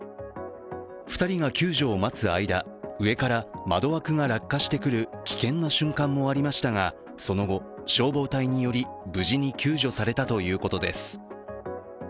２人が救助を待つ間、上から窓枠が落下してくる危険な瞬間もありましたがその後、消防隊により無事に救助されたということです。